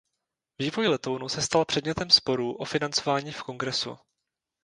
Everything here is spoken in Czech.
Vývoj letounu se stal předmětem sporů o financování v kongresu.